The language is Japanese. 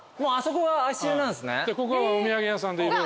ここはお土産屋さんで色々ある。